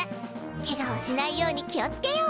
ケガをしないように気をつけよう！